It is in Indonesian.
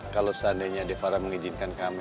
sehariannya devara mengizinkan kami